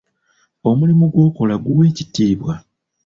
Omulimu gw'okola guwe ekitiibwa.